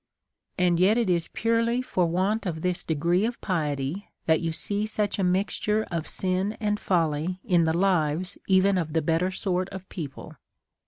And yet it is purely for want of this degree of piety that you see such a mixture of sin and folly in the lives even of the better sort of people.